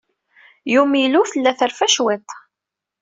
Yumilo tella terfa cwiṭ.